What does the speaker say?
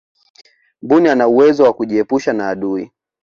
mbuni ana uwezo wa kujiepusha na adui